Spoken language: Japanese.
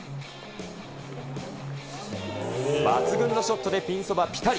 抜群のショットでピンそばぴたり。